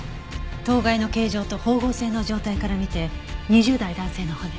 頭蓋の形状と縫合線の状態から見て２０代男性の骨。